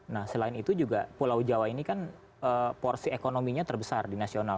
nah selain itu juga pulau jawa ini kan porsi ekonominya terbesar di nasional